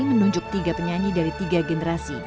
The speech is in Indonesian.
menunjuk tiga penyanyi dari tiga generasi